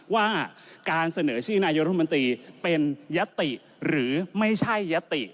ว่าการเสนอชื่อนายรัฐมนตรีเป็นยติหรือไม่ใช่ยติ